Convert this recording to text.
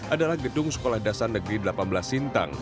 adalah gedung sekolah dasar negeri delapan belas sintang